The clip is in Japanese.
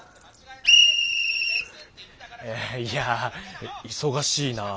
えいやあ忙しいなあ。